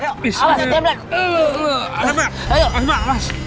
cepet dikit pak